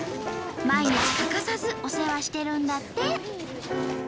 毎日欠かさずお世話してるんだって。